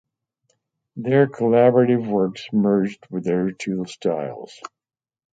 Their collaborative works merged their two styles.